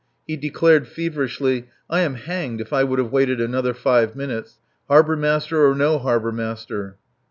He declared feverishly: "I am hanged if I would have waited another five minutes Harbour Master or no Harbour Master."